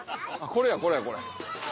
これやこれこれ。